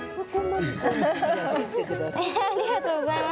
ありがとうございます。